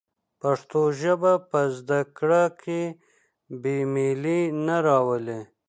پښتو ژبه په زده کړه کې بې میلي نه راولي.